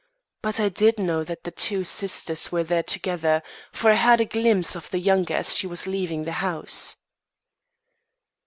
But I did know that the two sisters were there together, for I had a glimpse of the younger as she was leaving the house."